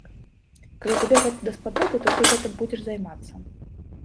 Калі табе гэта даспадобы, то ты гэтым будзеш займацца.